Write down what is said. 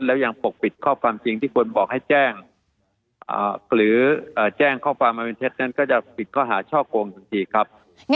แล้วยังปกปิดข้อความจริงที่ควรบอกให้แจ้งหรือแจ้งข้อความมาเป็นเท็จนั้นก็จะปิดข้อหาช่อโกงทันทีครับ